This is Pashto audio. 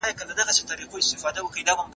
پوهان وايي چي سياست دوامداره هڅه ده.